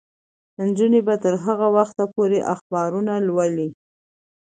نجونې به تر هغه وخته پورې اخبارونه لولي.